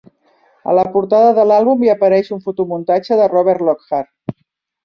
A la portada de l'àlbum hi apareix un fotomuntatge de Robert Lockart.